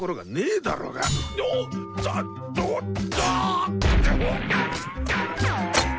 えっ？